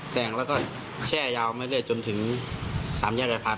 แซงแล้วก็แช่ยาวไม่ได้จนถึงสามแยกไอภาพ